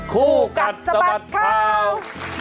คู่กัดสะบัดข่าว